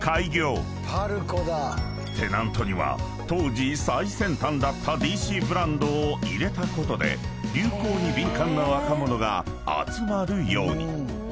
［テナントには当時最先端だったＤＣブランドを入れたことで流行に敏感な若者が集まるように］